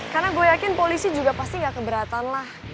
karena gue yakin polisi juga pasti gak keberatan lah